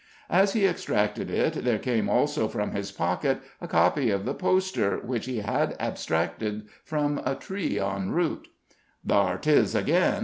As he extracted it, there came also from his pocket a copy of the poster, which he had abstracted from a tree en route. "Thar 'tis again!"